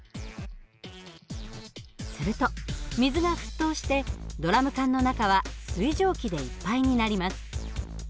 すると水が沸騰してドラム缶の中は水蒸気でいっぱいになります。